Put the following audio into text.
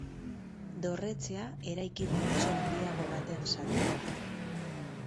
Dorretxea eraikin multzo handiago baten zati da.